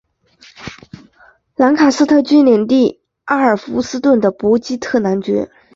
兰卡斯特郡领地阿尔弗斯顿的伯基特男爵。